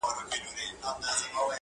دا نعمت خو د ګیدړ دی چي یې وخوري-